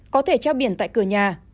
có thể trao biển tại cửa nhà